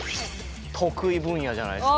得意分野じゃないですか。